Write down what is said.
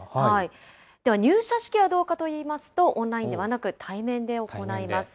では、入社式はどうかといいますと、オンラインではなく、対面で行います。